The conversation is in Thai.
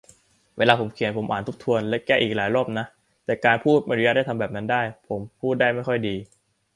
เวลาผมเขียน ผมอ่านทวนและแก้อีกหลายรอบนะ แต่การพูดไม่อนุญาตให้ทำแบบนั้นได้ ผมพูดได้ไม่ค่อยดี